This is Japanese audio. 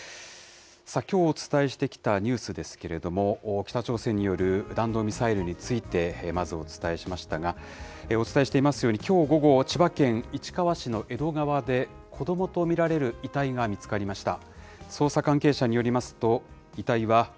さあ、きょうお伝えしてきたニュースですけれども、北朝鮮による弾道ミサイルについて、まずお伝えしましたが、お伝えしていますように、きょう午後、千葉県市川市の江戸川で、子どもと見られる遺体が見つかりました。